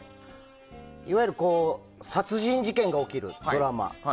いわゆる殺人事件が起きるドラマ。